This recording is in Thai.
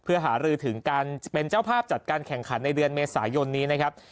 เพื่อหารือถึงการจะเป็นเจ้าภาพจัดการแข่งขันในเดือนเมษายนนี้นะครับ